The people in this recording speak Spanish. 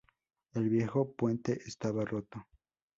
El viejo puente estaba roto.